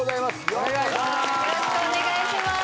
よろしくお願いします。